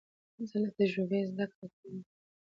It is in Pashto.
زه له تجربې زده کړه کوم.